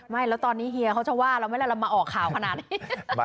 ไม่แล้วตอนนี้เฮียเขาจะว่าเราไหมล่ะเรามาออกข่าวขนาดนี้